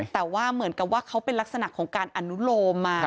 แต่ว่าเหมือนกับว่าเขาเป็นลักษณะของการอนุโลม